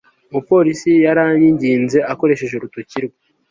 umupolisi yaranyinginze akoresheje urutoki rwe